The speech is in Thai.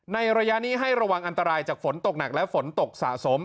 ในระยะนี้ให้ระวังอันตรายจากฝนตกหนักและฝนตกสะสม